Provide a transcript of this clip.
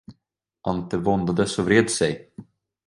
Ante våndades och vred sig.